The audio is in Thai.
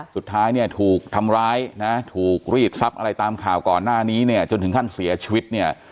สุดท้ายเนี่ยถูกทำร้ายนะถูกรีดทรัพย์อะไรตามข่าวก่อนหน้านี้เนี่ยจนถึงขั้นเสียชีวิตเนี่ย